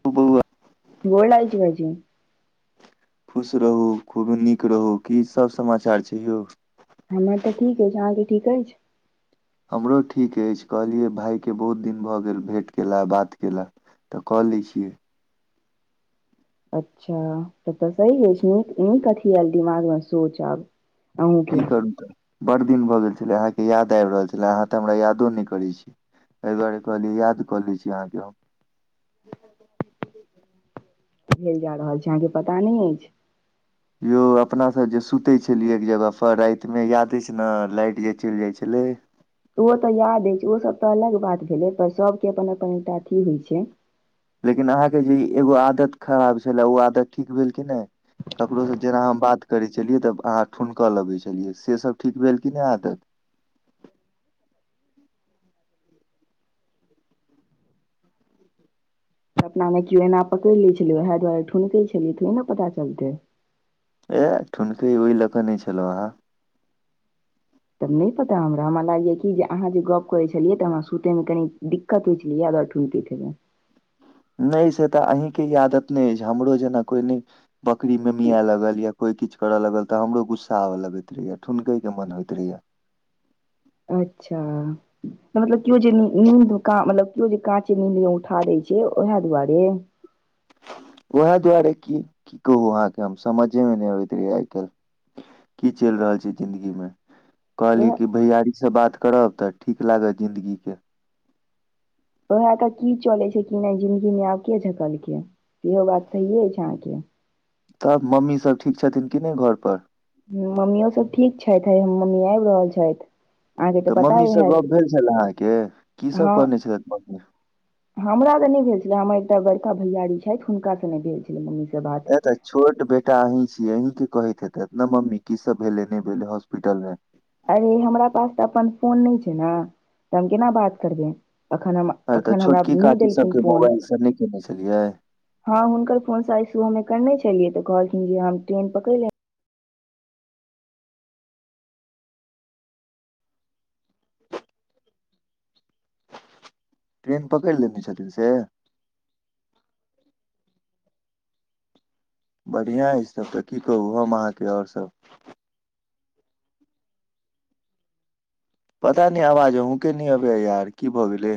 त बउआ गोर लाग्य छी भाई जी खुश रहू खूब नीक रहू की सभ समाचार छै यौ हमर तऽ ठीक अछि अहाँ के ठीक अछि हमरो ठीक अछि कहलियै भाय के बहुत दिन भऽ गेल भेंट केला बात केला तऽ क लै छियै अच्छा तब तऽ सही अछि नीक नीक अथी आयल दिमाग में सोच आब अहूँके की करूँ त बड़ दिन भ गेल छलै अहाँके याद आब रहल छलै अहाँ त हमरा यादो नहि करै छी एहि दुआरे कहलियै याद क ले छी अहाँके हम भेल जा रहल छै अहाँ के पता नहि अछि यौ अपना सब जे सुतै छली एक जगह पर राति मे यादे छै ने लाइट जे चलि जाय छले ओ तऽ याद अछि छै ओ सब तऽ अलग बात भेलै पर सब के अपन अपन एकटा अथी होई छै लेकिन अहाँके जे एगो आदत खराब छलए ओ आदत ठीक भेल कि नहि ककरो से जेना हम बात करै छी छलियै तब अहाँ ठूनकऽ लबै छलियै से सब ठीक भेल कि नहि आदत अपना मे किओ एना पकड़ि लै छलै ओएह दुआरे ठुनके छलियै थोड़े ने पता चलतै ए ठुनके ओहि लऽ कऽ नहि छलहु अहाँ तब नहि पता हमरा हमरा लागयए कि जे अहाँ जे गप्प करैत छलियै तऽ हमरा सुतय में कनि दिक्क त होय छलै इयह दुआरे ठुनकैत हेबै नहि से तऽ अहींके आदत नहि अछि हमरो जेना कोई नहि बकरी मियिया लगल या कोई किछ करे लगल त हमरो गुस्सा आवे लगैत रहेया ठुननके के मन होइत रहया अच्छा मतलब केओ जे नीद मतलब केओ जे काँचे नीद उठा दै छै उएह दुआरे उएह दुआरे की की कहू अहाँके हम समझेमे नहि अबैत रहहिय आइ काल्हि की चलि रहल छै जिंन्दगी में उएह कहलियी कि भैयारी से बात करब तऽ ठीक लागत जिन्दगी के उह तऽ की चले छै की नहि जिन्दगी मे आब के झकलकै इहो बात सहिे अछि छै अहाँ के तब मम्मीसभ ठीक छथिन कि नहि घर पर मम्मियो सब ठीक छथि हे मम्मी आबि रहल छथि अहाँके तऽ पता मम्मी से हैत गप्प भेल छल अहाँ के की सब हँ कहने छलथि मम्मी हमरा तऽ नहि भेल छलै हमर एकटा बड़का भैयाररी छथि हुनकाँ नहि भेल छलै मम्मी से बात ए तऽ छोट बेटा अहीं छियै अहीं के कहैत हेतत ने मम्मी की सब भेलै नहि भेले हॉस्पिटल में अरे हमरा पास त अपन फोन ने छै ने त हम केना बात करबै एखन हम अरे तऽ एखन हमरा छोटकी नहि काकी देलखिन सबके फोन मोबाइल से नहि केने छलियै? हाँ हुनकर फोन सा आय सबह मे करने छलियै तऽ कहलखिन जे हम ट्रेन पकड़े ट्रेन पकड़ि लेने छथीन से बढ़िआ अछि सभ तऽ की कहू हम अहाँ के और सभ पता नहि आवाज अहूँ के नहि अबै यार की भऽ गेलै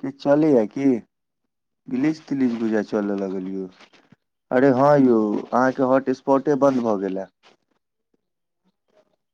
किछ चले या की गिलिश तलिश बुझा चल लागल यौ अरे हॅं यौ अहाँके हॉटस्पॉटे बंद भऽ गेल ह